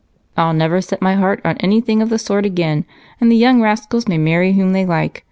"I'll never set my heart on anything of the sort again, and the young rascals may marry whom they like.